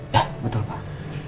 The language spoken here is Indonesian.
ya betul pak